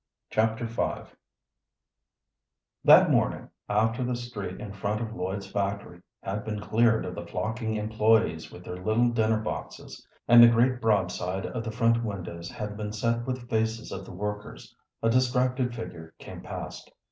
Chapter V That morning, after the street in front of Lloyd's factory had been cleared of the flocking employés with their little dinner boxes, and the great broadside of the front windows had been set with faces of the workers, a distracted figure came past.